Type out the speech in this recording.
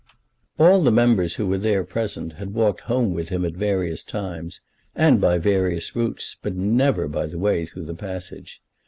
All the members who were there present had walked home with him at various times, and by various routes, but never by the way through the passage.